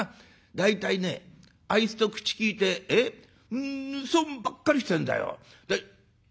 大体ねあいつと口利いて損ばっかりしてんだよ。